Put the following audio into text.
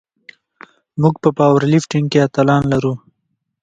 موږ په پاور لفټینګ کې اتلان لرو.